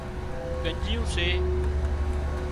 ڳنڄيون سي